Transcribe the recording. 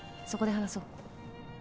そこで話そう。